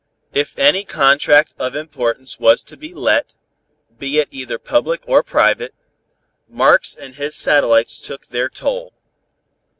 If any contract of importance was to be let, be it either public or private, Marx and his satellites took their toll.